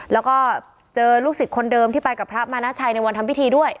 แล้วก็เจอลูกศิษย์คนเดิมที่ไปกับพระมานาชัยในวันทำพิธีด้วย